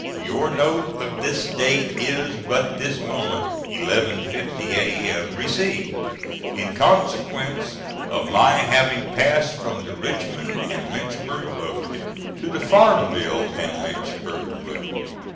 Your note of this date is but this moment (11.50 A.M.) received, in consequence of my having passed from the Richmond and Lynchburg road to the Farmville and Lynchburg road.